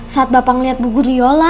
saat bapak ngeliat buku liola